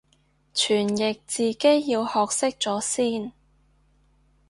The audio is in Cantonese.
傳譯自己要學識咗先